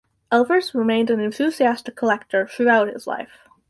Elvers remained an enthusiastic collector throughout his life.